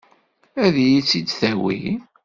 Ad iyi-tt-id-tawi?